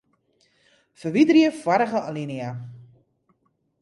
Ferwiderje foarige alinea.